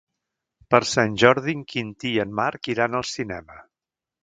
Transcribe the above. Per Sant Jordi en Quintí i en Marc iran al cinema.